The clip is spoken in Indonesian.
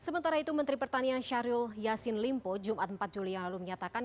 sementara itu menteri pertanian syahrul yassin limpo jumat empat juli yang lalu menyatakan